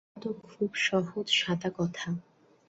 ইহা তো খুব সহজ সাদা কথা।